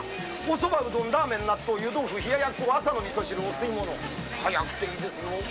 おそば、うどん、ラーメン、納豆、湯豆腐、冷ややっこ、朝のみそ汁、お吸い物、速くていいですよ。